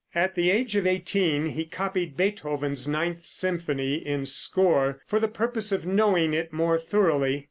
At the age of eighteen he copied Beethoven's ninth symphony in score, for the purpose of knowing it more thoroughly.